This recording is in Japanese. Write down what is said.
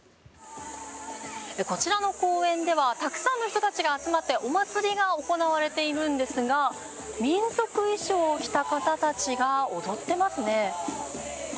こちらの公園ではたくさんの人たちが集まってお祭りが行われているんですが民族衣装を着た方たちが踊っていますね。